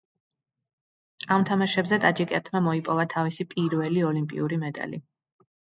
ამ თამაშებზე ტაჯიკეთმა მოიპოვა თავისი პირველი ოლიმპიური მედალი.